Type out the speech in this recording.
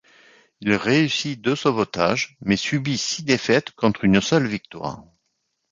Il réussit deux sauvetages, mais subit six défaites contre une seule victoire.